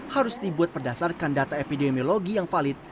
harus dibuat berdasarkan data epidemiologi yang valid